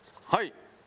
はい。